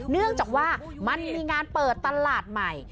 เนื่องจากว่ามันมีงานเปิดตลาดใหม่